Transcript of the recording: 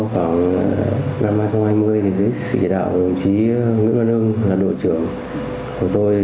trong khoảng năm hai nghìn hai mươi thì chỉ đạo đồng chí nguyễn văn hưng là đội trưởng của tôi